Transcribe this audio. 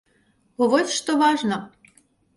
Бо вось што важна.